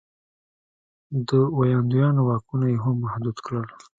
د ویاندویانو واکونه یې هم محدود کړل.